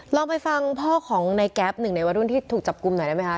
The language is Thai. ลองไปฟังพ่อของในแก๊ปหนึ่งในวัยรุ่นที่ถูกจับกลุ่มหน่อยได้ไหมคะ